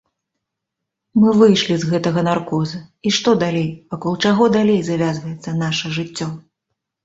Мы выйшлі з гэтага наркоза, і што далей, вакол чаго далей завязваецца наша жыццё?